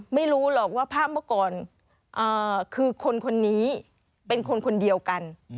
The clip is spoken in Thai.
ไม่รู้หรอกว่าภาพเมื่อก่อนคือคนนี้เป็นคนคนเดียวกัน